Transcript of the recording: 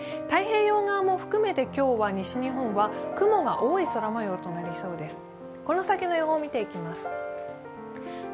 太平洋側も含めて今日は西日本は雲が多い空模様となりそうです。